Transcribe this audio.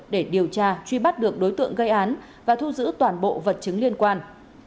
để điều tra truy bắt được đối tượng gây án và thu giữ toàn bộ vật chứng liên quan